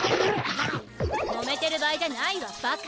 もめてる場合じゃないわバカ！